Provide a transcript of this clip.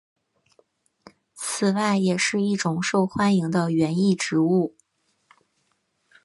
此外也是一种受欢迎的园艺植物。